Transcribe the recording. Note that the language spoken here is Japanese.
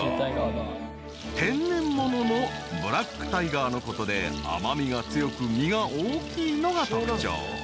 ［天然物のブラックタイガーのことで甘味が強く身が大きいのが特徴］